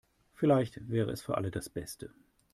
Vielleicht wäre es für alle das Beste.